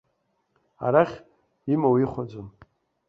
Арахь, имоу ихәаӡом.